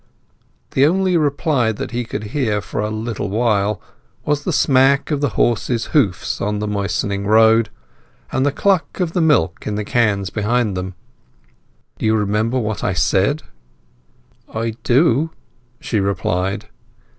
The only reply that he could hear for a little while was the smack of the horse's hoofs on the moistening road, and the cluck of the milk in the cans behind them. "Do you remember what you said?" "I do," she replied.